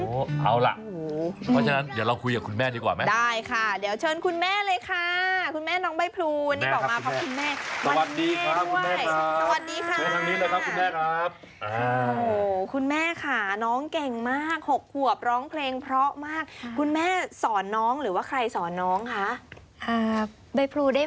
เอาล่ะเพราะฉะนั้นเดี๋ยวเราคุยกับคุณแม่ดีกว่าไหมได้ค่ะเดี๋ยวเชิญคุณแม่เลยค่ะคุณแม่น้องใบพลูวันนี้บอกมาเพราะคุณแม่ค่ะสวัสดีครับเชิญทางนี้นะครับคุณแม่ครับคุณแม่ค่ะน้องเก่งมาก๖ขวบร้องเพลงเพราะมากคุณแม่สอนน้องหรือว่าใครสอนน้องคะใบพลูได้